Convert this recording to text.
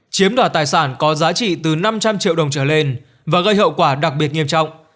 chiếm đoạt tài sản có giá trị từ năm trăm linh triệu đồng trở lên và gây hậu quả đặc biệt nghiêm trọng